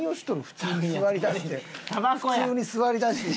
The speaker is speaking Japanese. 普通に座りだして。